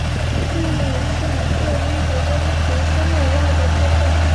韵母是一个音节中除声母外的部分。